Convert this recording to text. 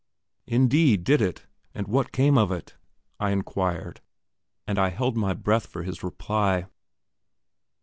"Indeed, did it? and what came of it?" I inquired; and I held my breath for his reply.